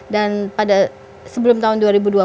dan pada sebelum tahun dua ribu dua puluh